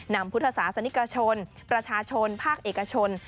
พุทธศาสนิกชนประชาชนภาคเอกชน